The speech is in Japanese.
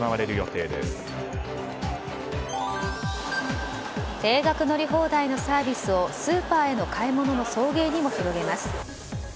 定額乗り放題のサービスをスーパーへの買い物の送迎にも広げます。